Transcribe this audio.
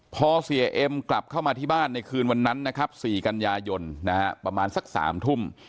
พอเสียเอ็มกลับเข้ามาที่บ้านในคืนวันนั้นนะครับ๔กันยายนประมาณสัก๓ทุ่ม